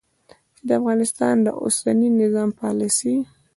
چې د افغانستان د اوسني نظام پالیسي